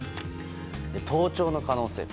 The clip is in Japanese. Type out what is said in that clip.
盗聴の可能性。